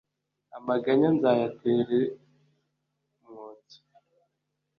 amaganya nzayatere umwotso